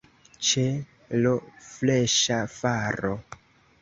Ĉe l' freŝa faro.